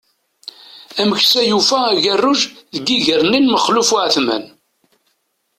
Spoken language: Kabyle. Ameksa yufa agerruj deg iger-nni n Maxluf Uεetman.